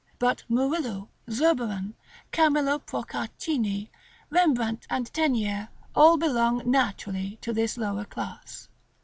But Murillo, Zurbaran, Camillo Procaccini, Rembrandt, and Teniers, all belong naturally to this lower class.